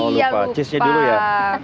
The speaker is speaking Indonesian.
oh iya lupa cheese nya dulu ya